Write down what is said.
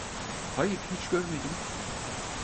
Hayır, hiç görmedim.